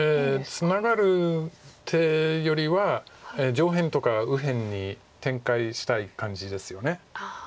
ツナがる手よりは上辺とか右辺に展開したい感じですよね。